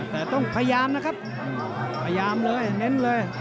แต่ต้องพยายามนะครับพยายามเลยเน้นเลย